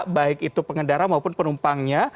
baik itu pengendara maupun penumpangnya